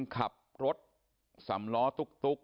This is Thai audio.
ขับรถสำล้อตุ๊ก